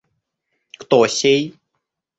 Кто сей?